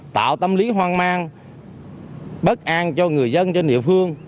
tạo tâm lý hoang mang bất an cho người dân trên địa phương